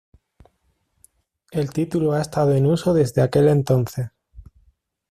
El título ha estado en uso desde aquel entonces.